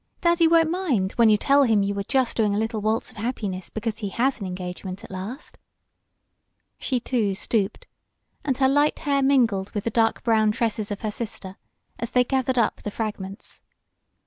Daddy won't mind when you tell him you were just doing a little waltz of happiness because he has an engagement at last." She, too, stooped and her light hair mingled with the dark brown tresses of her sister as they gathered up the fragments.